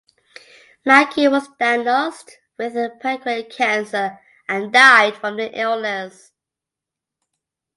Mackie was diagnosed with pancreatic cancer and died from the illness.